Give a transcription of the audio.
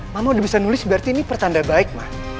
mama udah bisa nulis berarti ini pertanda baik mah